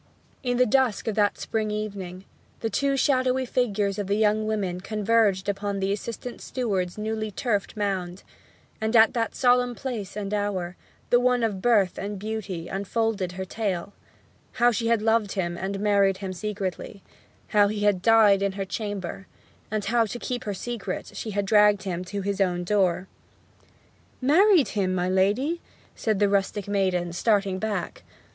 In the dusk of that spring evening the two shadowy figures of the young women converged upon the assistant steward's newly turfed mound; and at that solemn place and hour, the one of birth and beauty unfolded her tale: how she had loved him and married him secretly; how he had died in her chamber; and how, to keep her secret, she had dragged him to his own door. 'Married him, my lady!' said the rustic maiden, starting back.